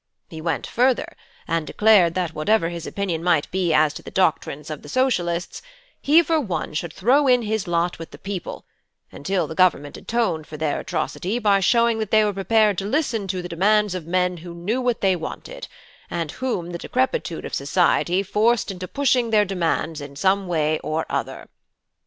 He went further, and declared that whatever his opinion might be as to the doctrines of the Socialists, he for one should throw in his lot with the people, until the Government atoned for their atrocity by showing that they were prepared to listen to the demands of men who knew what they wanted, and whom the decrepitude of society forced into pushing their demands in some way or other.